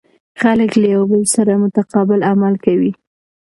خلک له یو بل سره متقابل عمل کوي.